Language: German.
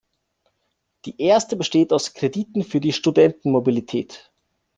Die erste besteht aus Krediten für die Studentenmobilität.